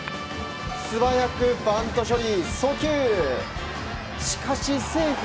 素早くバント処理。